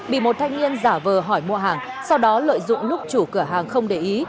bị một thanh niên giả vờ hỏi mua hàng sau đó lợi dụng lúc chủ cửa hàng không để ý